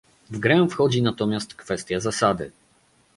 W grę wchodzi natomiast kwestia zasady